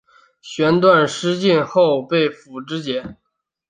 弦断矢尽后被俘支解。